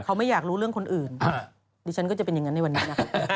เขาไม่อยากรู้เรื่องคนอื่นดิฉันก็จะเป็นอย่างนั้นในวันนี้นะคะ